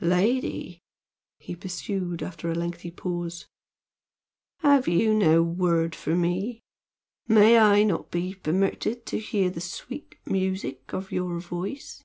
"Lady!" he pursued, after a lengthy pause, "have you no word for me? May I not be permitted to hear the sweet music of your voice?"